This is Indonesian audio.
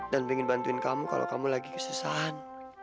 dan pingin bantuin kamu kalau kamu lagi kesesahan